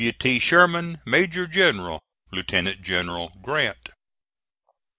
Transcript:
"W. T. SHERMAN, Major General. "LIEUTENANT GENERAL GRANT."